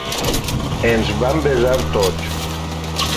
Ens vam besar, tots.